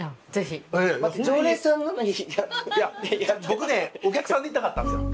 僕ねお客さんでいたかったんですよ。